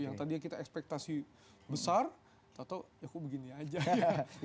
yang tadinya kita ekspektasi besar tau tau ya kok begini aja